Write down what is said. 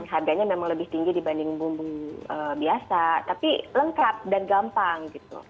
harganya memang lebih tinggi dibanding bumbu biasa tapi lengkap dan gampang gitu